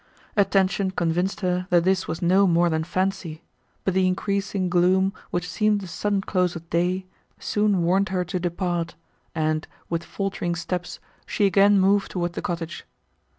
Attention convinced her, that this was no more than fancy; but the increasing gloom, which seemed the sudden close of day, soon warned her to depart, and, with faltering steps, she again moved toward the cottage.